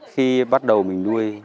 khi bắt đầu mình nuôi